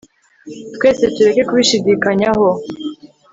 twese, tureke kubishidikanyaho